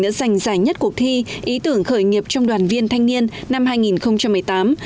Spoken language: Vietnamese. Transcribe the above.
đã giành giải nhất cuộc thi ý tưởng khởi nghiệp trong đoàn viên thanh niên năm hai nghìn một mươi tám